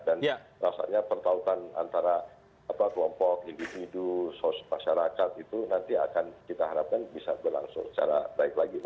dan rasanya pertautan antara kelompok individu sosial masyarakat itu nanti akan kita harapkan bisa berlangsung secara baik lagi